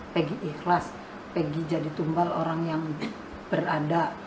pergi ikhlas pergi jadi tumbal orang yang berada